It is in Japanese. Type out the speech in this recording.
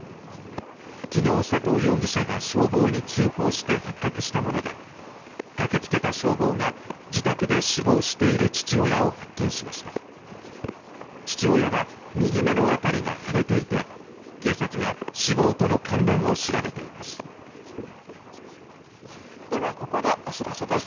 昨日佐藤容疑者が消防に通報して発覚したもので駆けつけた消防が自宅で死亡している父親を発見しました父親は右目の辺りが腫れていて警察が死亡との関連を調べていますではここでお知らせです